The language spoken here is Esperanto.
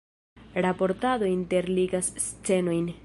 Raportado interligas scenojn.